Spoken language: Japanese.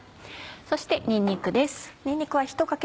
そしてにんにくです。